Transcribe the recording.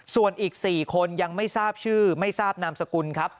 ส่วนอีก๔คนยังไม่ทราบชื่อไม่ทราบนามสกุลครับ